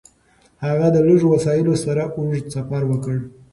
هغه د لږو وسایلو سره اوږد سفر وکړ.